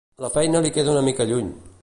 La feina li queda una mica lluny.